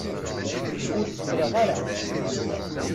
Ur zemmreɣ ara.